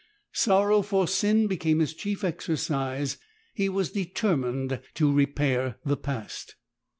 Sorrow for sin became his chief exercise. He was determined to repair the past.